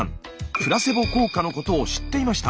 プラセボ効果のことを知っていました。